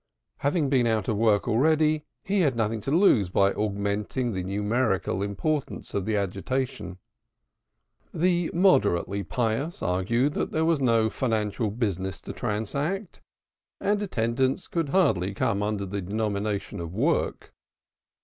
Having been out of work already he had nothing to lose by augmenting the numerical importance of the agitation. The moderately pious argued that there was no financial business to transact and attendance could hardly come under the denomination of work.